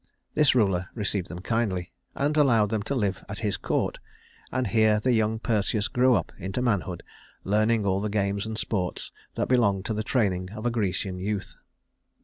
This ruler received them kindly, and allowed them to live at his court; and here the young Perseus grew up into manhood, learning all the games and sports that belonged to the training of a Grecian youth.